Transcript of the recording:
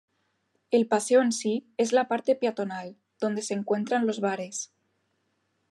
El Paseo en sí, es la parte peatonal, donde se encuentran los bares.